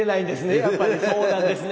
やっぱりそうなんですね。